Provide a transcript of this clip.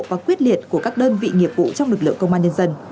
và quyết liệt của các đơn vị nghiệp vụ trong lực lượng công an nhân dân